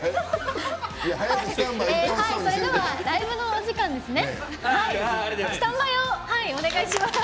それではライブのお時間ですね。